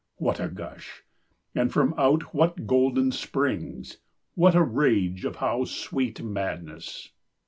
What a gush! And from out what golden springs! What a rage of how sweet madness!